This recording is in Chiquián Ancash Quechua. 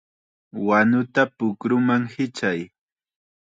¡Wanuta pukruman hichay!